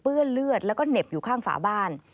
เลือดแล้วก็เหน็บอยู่ข้างฝาบ้าน